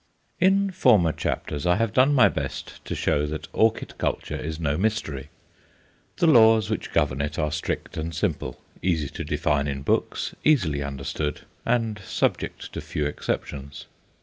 In former chapters I have done my best to show that orchid culture is no mystery. The laws which govern it are strict and simple, easy to define in books, easily understood, and subject to few exceptions.